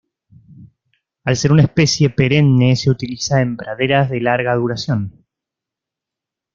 Al ser una especie perenne se utiliza en praderas de larga duración.